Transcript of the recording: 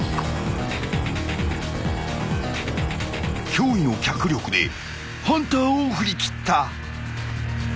［驚異の脚力でハンターを振り切った］